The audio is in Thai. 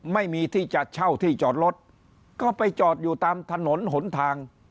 ไม่มีที่จะเช่าที่จอดรถก็ไปจอดอยู่ตามถนนหนทาง